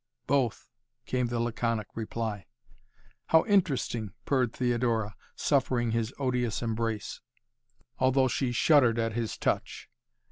"Both!" came the laconic reply. "How interesting," purred Theodora, suffering his odious embrace, although she shuddered at his touch.